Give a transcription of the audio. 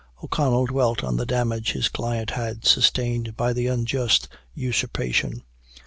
O'Connell dwelt on the damage his client had sustained by the unjust usurpation.